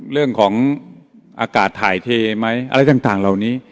เรื่องของอากาศถ่ายเทไหมอะไรต่างเหล่านี้